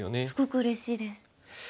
すごくうれしいです。